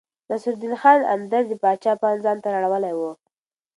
نصرالدين خان اندړ د پاچا پام ځانته رااړولی و.